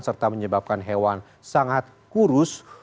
serta menyebabkan hewan sangat kurus